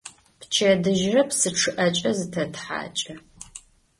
Пчэдыжьрэ псы чъыӀэкӀэ зытэтхьакӀы.